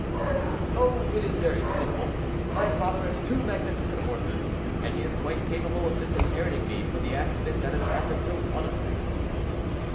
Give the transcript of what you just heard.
"Oh! it is very simple. My father has two magnificent horses, and he is quite capable of disinheriting me for the accident that has happened to one of them."